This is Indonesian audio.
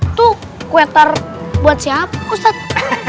itu kue tart buat siapa ustadz